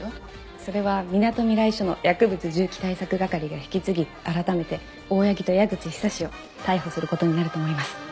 それはみなとみらい署の薬物銃器対策係が引き継ぎ改めて大八木と矢口久志を逮捕する事になると思います。